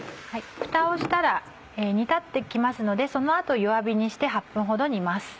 ふたをしたら煮立って来ますのでその後弱火にして。